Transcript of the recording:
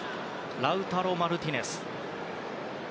ラウタロ・マルティネス。